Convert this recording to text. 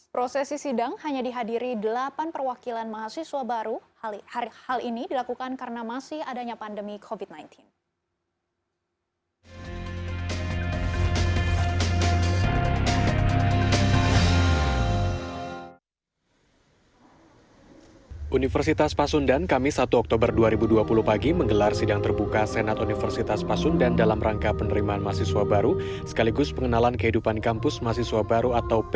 prosesi sidang hanya dihadiri delapan perwakilan mahasiswa baru